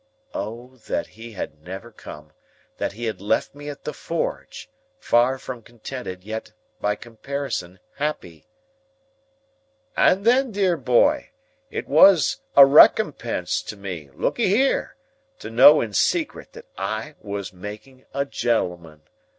O that he had never come! That he had left me at the forge,—far from contented, yet, by comparison happy! "And then, dear boy, it was a recompense to me, look'ee here, to know in secret that I was making a gentleman.